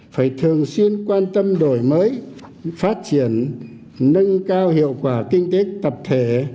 phải thường xuyên quan tâm đổi mới phát triển nâng cao hiệu quả kinh tế tập thể